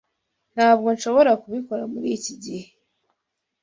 Ntabwo nshobora kubikora muri iki gihe.